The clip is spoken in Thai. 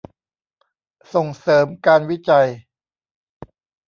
ส่งเสริมการวิจัย